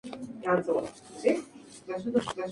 Tenía un diseño considerado futurista.